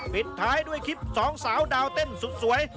ปิดท้ายด้วยคลิปสองสาวดาวเต้นสุดสวย